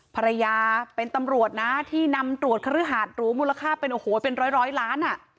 ภรรยาเป็นตำรวจที่นำตรวจคฤหาศรูมูลค่าเป็นร้อยร้อยล้าน